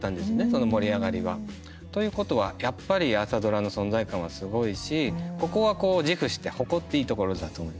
その盛り上がりは。ということは、やっぱり朝ドラの存在感はすごいしここは自負して誇っていいところだと。